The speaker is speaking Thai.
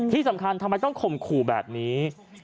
ที่สำคัญทำไมต้องข่มขู่แบบนี้